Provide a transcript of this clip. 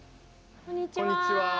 こんにちは。